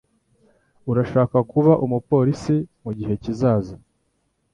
Arashaka kuba umupolisi mugihe kizaza.